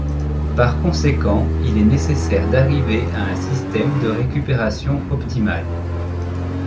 Par conséquent, il est nécessaire d'arriver à un système de récupération optimale.